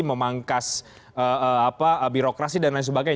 memangkas birokrasi dan lain sebagainya